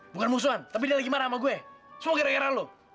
bukan musuhan tapi dia lagi marah sama gue so gara gara lo